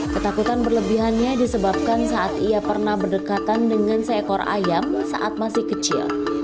ketakutan berlebihannya disebabkan saat ia pernah berdekatan dengan seekor ayam saat masih kecil